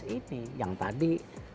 dua belas ini yang tadi